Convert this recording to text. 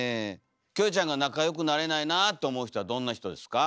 キョエちゃんが仲良くなれないなあと思う人はどんな人ですか？